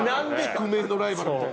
宿命のライバルみたいな。